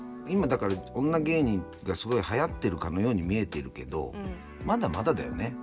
今だから女芸人がすごいはやってるかのように見えてるけどまだまだだよね